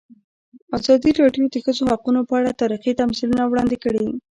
ازادي راډیو د د ښځو حقونه په اړه تاریخي تمثیلونه وړاندې کړي.